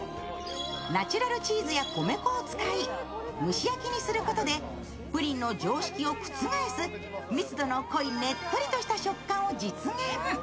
ナチュラルチーズや米粉を使い蒸し焼きにすることでプリンの常識を覆す密度の濃いねっとりとした食感を実現。